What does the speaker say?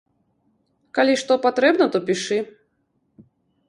Калі што патрэбна то пішы.